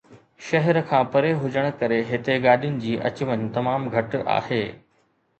شهر کان پري هجڻ ڪري هتي گاڏين جي اچ وڃ تمام گهٽ آهي.